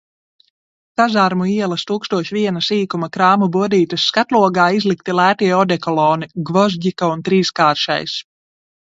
Kazarmu ielas tūkstoš viena sīkuma krāmu bodītes skatlogā izlikti lētie odekoloni, "Gvozģika" un "Trīskāršais".